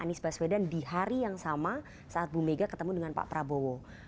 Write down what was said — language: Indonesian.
anies baswedan di hari yang sama saat bu mega ketemu dengan pak prabowo